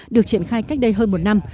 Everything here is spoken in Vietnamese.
được triển khai cách đây hơn một năm